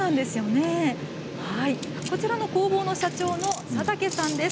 こちらの工房の社長の佐竹さんです。